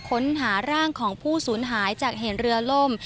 ค้นหาร่างของผู้สูญหายจากเหตุเรือล่ม